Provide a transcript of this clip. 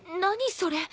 それ。